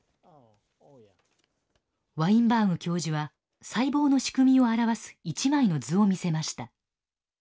ワインバーグ教授は細胞の仕組みを表す１枚の図を見せました。